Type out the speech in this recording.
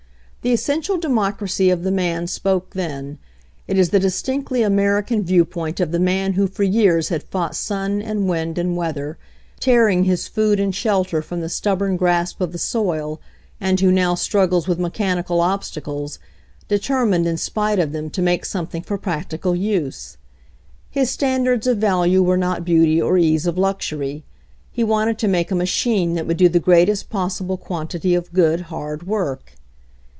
The essential democracy of the man spoke then. It is the distinctly American viewpoint of the man who for years had fought sun and wind and weather, tearing his food and shelter from the stubborn grasp of the soil, and who now struggles with mechanical obstacles, determined in spite of them to make something for practical use. His standards of value were not beauty or ease of luxury. He wanted to make a machine that would do the greatest possible quantity of good, hard work.